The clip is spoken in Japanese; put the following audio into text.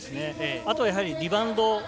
あとは、やはりリバウンド。